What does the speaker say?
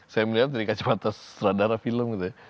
saya melihat dari kacamata seterah dana film